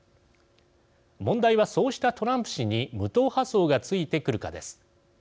問題は、そうしたトランプ氏に無党派層がついてくるかです。